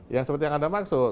ya seperti yang anda maksud